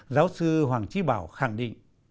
giáo sư hoàng trí bảo khẳng định